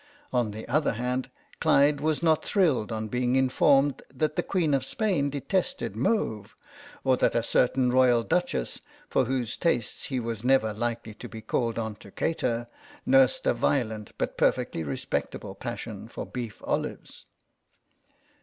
On the other hand, Clyde was not thrilled on being informed that the Queen of Spain detested mauve, or that a certain Royal duchess, for whose tastes he was never likely to be called on to cater, nursed a violent but perfectly respectable passion for beef olives.